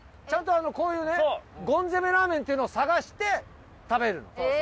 ちゃんとこういうゴン攻めラーメンっていうのを探して食べる。